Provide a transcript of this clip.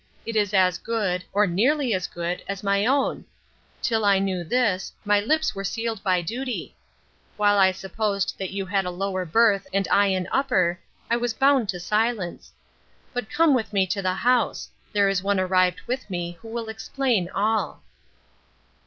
It is as good or nearly as good as my own. Till I knew this, my lips were sealed by duty. While I supposed that you had a lower birth and I an upper, I was bound to silence. But come with me to the house. There is one arrived with me who will explain all."